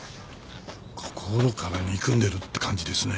心から憎んでるって感じですね。